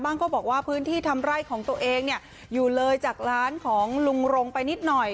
ก็บอกว่าพื้นที่ทำไร่ของตัวเองเนี่ยอยู่เลยจากร้านของลุงรงไปนิดหน่อย